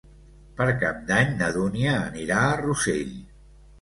Per Cap d'Any na Dúnia anirà a Rossell.